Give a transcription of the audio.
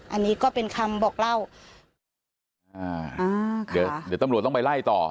อันนี้ก็เป็นคำบอกเล่าอ่าอ่าเดี๋ยวเดี๋ยวตำรวจต้องไปไล่ต่อ